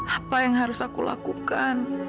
apa yang harus aku lakukan